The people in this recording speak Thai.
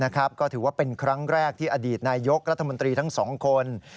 ก็ถือว่าเป็นครั้งแรกที่อดีตนายกรัฐมนตรีทั้งสองคน